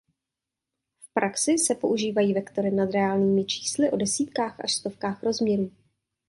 V praxi se používají vektory nad reálnými čísly o desítkách až stovkách rozměrů.